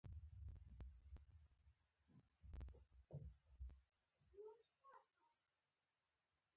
افغانستان کې آب وهوا د نن او راتلونکي ارزښت لري.